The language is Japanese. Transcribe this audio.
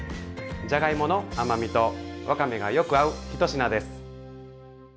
じゃがいもの甘みとわかめがよく合う一品です。